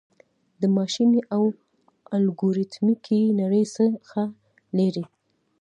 د ماشیني او الګوریتمیکي نړۍ څخه لیري